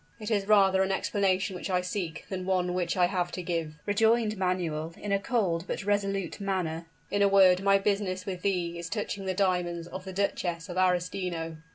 "It is rather an explanation which I seek, than one which I have to give," rejoined Manuel, in a cold but resolute manner. "In a word, my business with thee is touching the diamonds of the Duchess of Arestino."